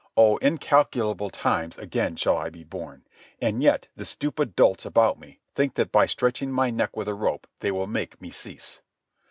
Oh, incalculable times again shall I be born; and yet the stupid dolts about me think that by stretching my neck with a rope they will make me cease.